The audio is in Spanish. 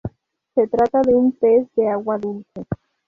Se trata de un pez de agua dulce.